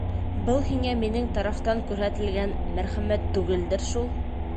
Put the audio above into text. — Был һиңә минең тарафтан күрһәтелгән мәрхәмәт түгелдер шул?